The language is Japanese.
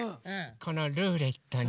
このルーレットに。